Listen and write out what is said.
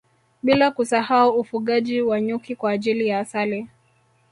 Bila kusahau ufugaji wa nyuki kwa ajili ya asali